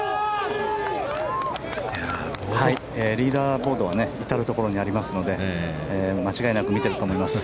リーダーボードは至るところにありますので間違いなく見てると思います。